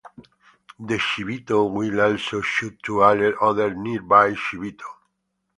The Shibito will also shout to alert other nearby Shibito.